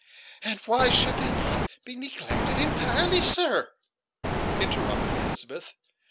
"And why should they not be neglected entirely, sir?" interrupted Elizabeth.